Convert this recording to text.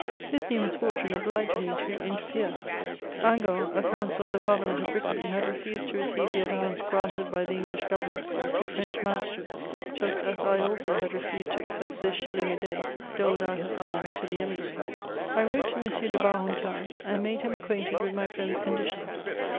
This new misfortune ohliged me to interfere. Hingant, a councillor of the parliament of Brittany, had refused to receive the allowance granted hy the English government to French magistrates, just as I also had refused to accept the shilling a day doled out as alms to the emigres, 1 wrote to M. de Earentin, and made him acquainted with my friend *s condition.